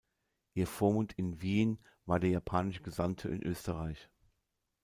Ihr Vormund in Wien war der japanische Gesandte in Österreich.